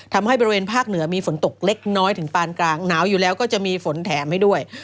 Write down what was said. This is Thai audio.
ทำให้บริเวณภาคเหนือมีฝนตกเล็กน้อยถึงปานกลางหนาวอยู่แล้วก็จะมีฝนแถมให้ด้วย